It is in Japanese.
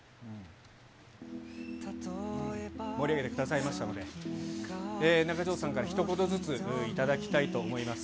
盛り上げてくださいましたので、中条さんからひと言ずつ頂きたいと思います。